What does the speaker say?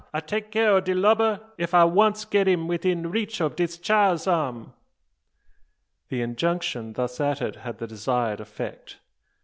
I take care o' de lubber ef I once get im widin reach o' dis chile's arm." The injunction thus uttered had the desired effect.